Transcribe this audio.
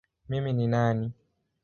Mimi ni nani?